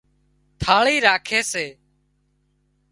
ٿاۯي راکي سي